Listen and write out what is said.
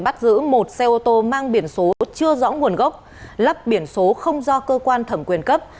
bắt giữ một xe ô tô mang biển số chưa rõ nguồn gốc lắp biển số không do cơ quan thẩm quyền cấp